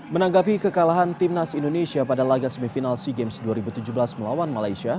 menanggapi kekalahan timnas indonesia pada laga semifinal sea games dua ribu tujuh belas melawan malaysia